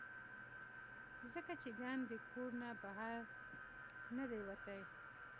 ځکه چې ګند د کور نه بهر نۀ دے وتے -